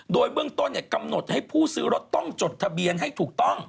โดยเบื้องต้นกำหนดให้ผู้ซื้อรถต้องจดทะเบียนให้ถูกต้อง